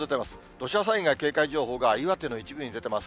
土砂災害警戒情報が岩手の一部に出てます。